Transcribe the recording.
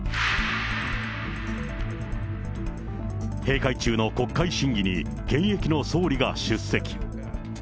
閉会中の国会審議に、現役の総理が出席。